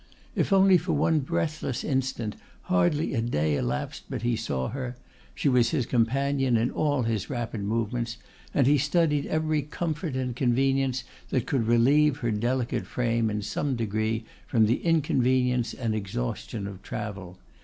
If only for one breathless instant, hardly a day elapsed but he saw her; she was his companion in all his rapid movements, and he studied every comfort and convenience that could relieve her delicate frame in some degree from the inconvenience and exhaustion of travel.